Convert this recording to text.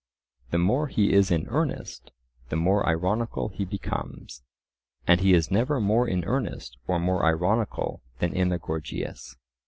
The more he is in earnest, the more ironical he becomes; and he is never more in earnest or more ironical than in the Gorgias.